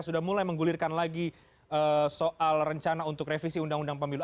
sudah mulai menggulirkan lagi soal rencana untuk revisi undang undang pemilu